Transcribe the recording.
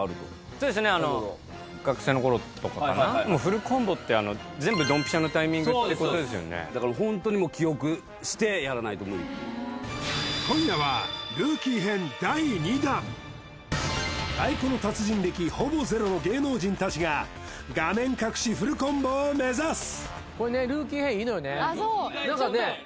そうですねあのフルコンボってあの全部ドンピシャのタイミングってことですよねだからホントにもう記憶してやらないと無理っていう今夜は太鼓の達人歴ほぼゼロの芸能人たちが画面隠しフルコンボを目指すあっそうちょっと何かね